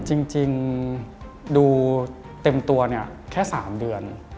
จริงดูเต็มตัวแค่๓เดือน